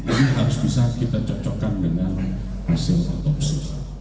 ini harus bisa kita cocokkan dengan hasil otopsi